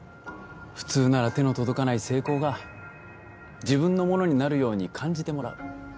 普通なら手の届かない成功が自分のものになるように感じてもらう